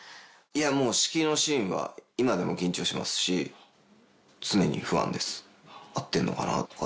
もう指揮のシーンは今でも緊張しますし常に不安です合ってんのかなぁとか。